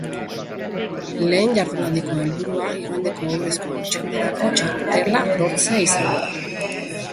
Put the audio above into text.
Lehen jardunaldiko helburua igandeko ohorezko txandarako txartela lortzea izango da.